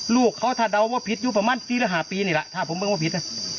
ลูกเขาถ้าเดาว่าผิดอยู่ประมาณสี่หรือห้าปีนี่แหละถ้าผมบอกว่าผิด